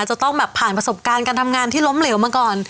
จะต้องแบบผ่านประสบการณ์การทำงานที่ล้มเหลวมาก่อน